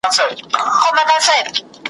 مخامخ وو د سلمان دوکان ته تللی `